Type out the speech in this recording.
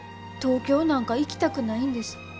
東京なんか行きたくないんです。